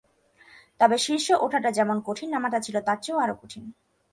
তবে শীর্ষে ওঠাটা যেমন কঠিন, নামাটা ছিল তার চেয়ে আরও কঠিন।